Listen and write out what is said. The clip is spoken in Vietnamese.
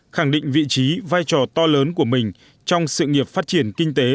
khẳng định vị trí vai trò to lớn của mình trong sự nghiệp phát triển kinh tế